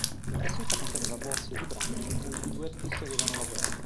La cassetta conteneva bozze di brani su cui i due artisti avevano lavorato.